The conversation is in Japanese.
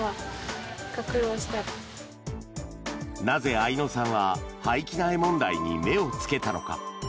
なぜ、愛乃さんは廃棄苗問題に目をつけたのか。